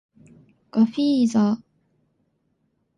ガフィーザ